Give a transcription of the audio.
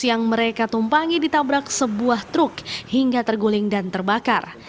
yang mereka tumpangi ditabrak sebuah truk hingga terguling dan terbakar